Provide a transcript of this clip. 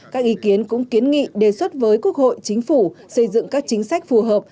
các ý kiến cũng kiến nghị đề xuất với quốc hội chính phủ xây dựng các chính sách phù hợp